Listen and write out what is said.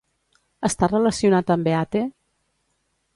Està relacionat amb Eate?